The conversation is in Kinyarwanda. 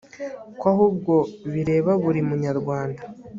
ko ahubwo bireba buri munyarwanda